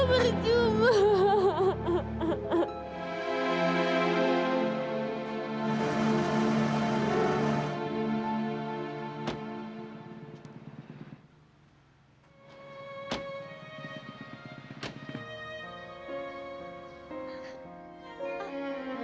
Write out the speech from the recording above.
bercuma kak bercuma